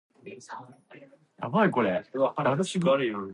They quickly eliminate his cancer.